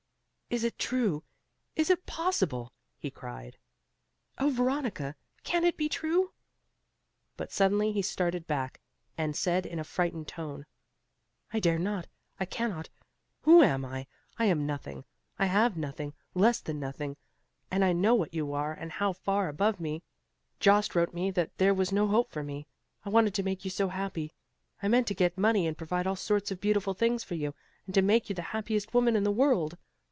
"Is it true, is it possible?" he cried. "Oh Veronica, can it be true?" But suddenly he started back, and said in a frightened tone, "No, I dare not. I cannot. Who am I? I am nothing; I have nothing, less than nothing; and I know what you are and how far above me. Jost wrote me that there was no hope for me. I wanted to make you so happy I meant to get money and provide all sorts of beautiful things for you and to make you the happiest woman in the world.